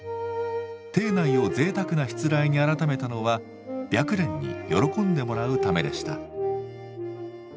邸内を贅沢なしつらえに改めたのは白蓮に喜んでもらうためでした。